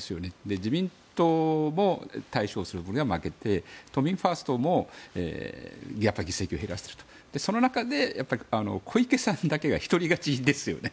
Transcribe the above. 自民党も大勝するというよりは負けて都民ファーストも議席を減らしているとその中で小池さんだけが一人勝ちですよね。